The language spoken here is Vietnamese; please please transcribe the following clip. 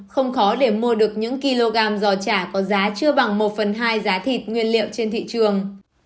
không khó để mua được những kg giò chả có giá chưa bằng một phần hai giá thịt nguyên liệu trên thị trường